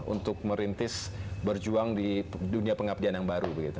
untuk merintis berjuang di dunia pengabdian yang baru begitu